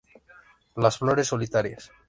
Las flores solitarias.